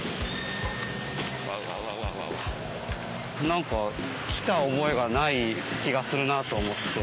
何か来た覚えがない気がするなあと思って。